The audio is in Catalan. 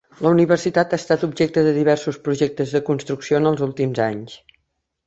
La universitat ha estat objecte de diversos projectes de construcció en els últims anys.